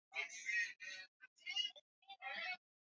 Mtumiaji wa madawa ya kulevya hufikia mahali ambapo hawezi kufanya